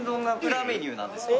裏メニューなんですよ